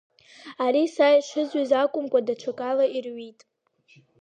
Ари са ишызҩыз акәымкәа даҽакала ирҩит…